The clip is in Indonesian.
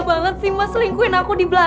yang di telfon tadi ya